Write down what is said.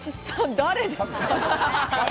誰ですか？